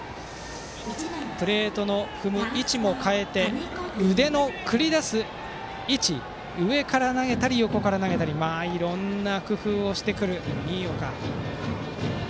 プレートの踏む位置も変えて腕の繰り出す位置上から投げたり横から投げたりいろいろな工夫をしてくる新岡。